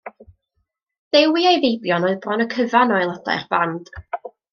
Dewi a'i feibion oedd bron y cyfan o aelodau'r band.